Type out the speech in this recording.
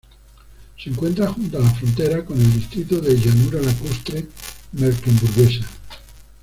Se encuentra junto a la frontera con el distrito de Llanura Lacustre Mecklemburguesa.